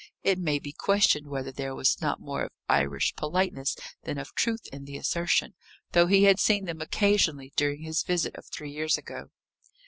It may be questioned whether there was not more of Irish politeness than of truth in the assertion, though he had seen them occasionally, during his visit of three years ago.